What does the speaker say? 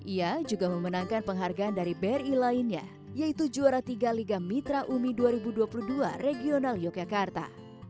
ia juga memenangkan penghargaan dari bri lainnya yaitu juara tiga liga mitra umi dua ribu dua puluh dua regional yogyakarta